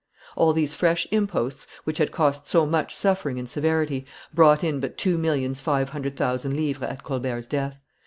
All these fresh imposts, which had cost so much suffering and severity, brought in but two millions five hundred thousand livres at Colbert's death.